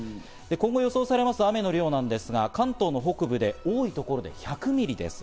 今後予想される雨の量ですが、関東北部の多い所で１００ミリです。